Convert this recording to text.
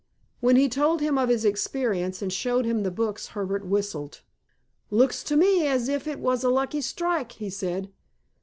When he told him of his experience and showed him the books Herbert whistled. "Looks to me as if that was a lucky strike," he said.